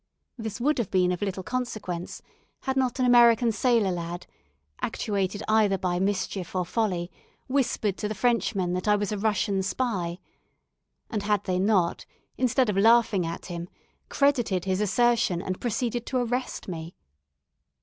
This would have been of little consequence, had not an American sailor lad, actuated either by mischief or folly, whispered to the Frenchmen that I was a Russian spy; and had they not, instead of laughing at him, credited his assertion, and proceeded to arrest me.